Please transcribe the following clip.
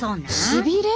しびれ！？